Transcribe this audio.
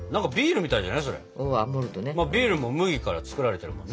まあビールも麦から造られてるもんね。